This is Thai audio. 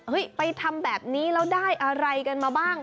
ไปทำแบบนี้แล้วได้อะไรกันมาบ้าง